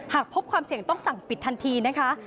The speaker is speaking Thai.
หากพบความเสี่ยงต้องสั่งปิดทันทีนะคะ